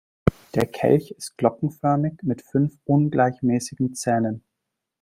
Der Kelch ist glockenförmig mit fünf ungleichmäßigen Zähnen.